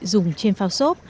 dùng trên phao sốt